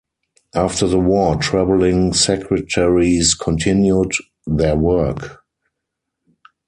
After the war, travelling secretaries continued their work.